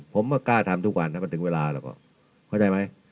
ผมไม่กล้าทำทุกวันถ้ามันถึงเวลาแล้วก็เข้าใจไหม